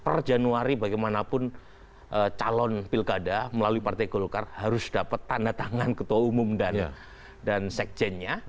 per januari bagaimanapun calon pilkada melalui partai golkar harus dapat tanda tangan ketua umum dan sekjennya